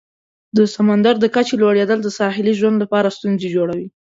د سمندر د کچې لوړیدل د ساحلي ژوند لپاره ستونزې جوړوي.